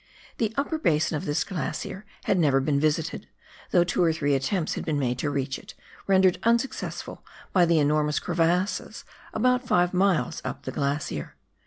The upper basin of this glacier had never been visited, though two or three attempts had been made to reach it, rendered unsuccessful by the enormous crevasses about five miles up the glacier.